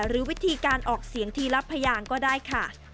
หรือวิธีการออกเสียงทีละพยางก็ได้ค่ะ